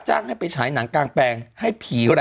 สุริยาจันทราทองเป็นหนังกลางแปลงในบริษัทอะไรนะครับ